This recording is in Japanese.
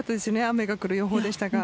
雨が来る予報でしたが。